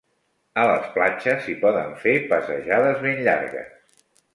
A les platges s'hi poden fer passejades ben llargues.